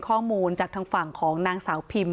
ข้อมูลจากทางฝั่งของนางสาวพิม